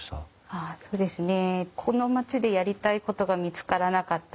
ああそうですね。